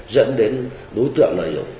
dẫn đến đối tượng này